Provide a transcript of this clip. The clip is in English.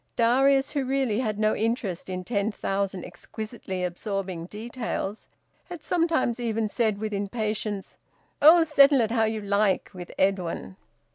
Darius, who really had no interest in ten thousand exquisitely absorbing details, had sometimes even said, with impatience, "Oh! Settle it how you like, with Edwin."